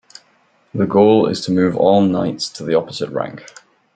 The goal is to move all knights to the opposite rank.